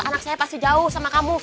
anak saya pasti jauh sama kamu